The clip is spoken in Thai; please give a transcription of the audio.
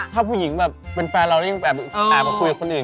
ถ้าผู้หญิงแบบเป็นแฟนเราแล้วยังแบบแอบมาคุยกับคนอื่น